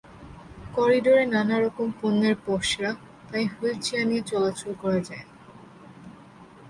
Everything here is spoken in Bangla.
করিডরে নানা রকম পণ্যের পসরা, তাই হুইলচেয়ার নিয়ে চলাচল করা যায় না।